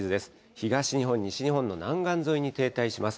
東日本、西日本の南岸沿いに停滞します。